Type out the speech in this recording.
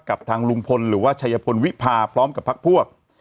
กับทางลุงพลหรือว่าชัยพลวิพาพร้อมกับพักพวก